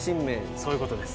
そういうことです。